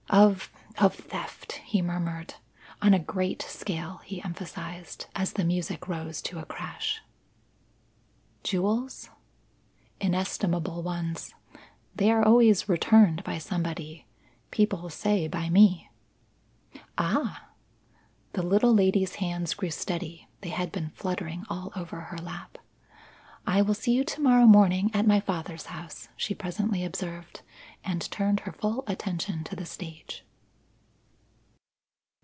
"Of of theft," he murmured. "On a great scale," he emphasized, as the music rose to a crash. "Jewels?" "Inestimable ones. They are always returned by somebody. People say, by me." "Ah!" The little lady's hands grew steady, they had been fluttering all over her lap. "I will see you to morrow morning at my father's house," she presently observed; and turned her full attention to the stage.